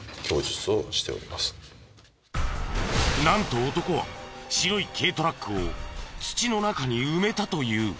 なんと男は白い軽トラックを土の中に埋めたという。